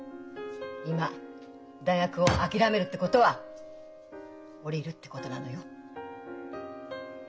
今大学を諦めるってことは降りるってことなのよ。